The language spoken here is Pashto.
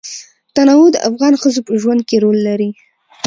تنوع د افغان ښځو په ژوند کې رول لري.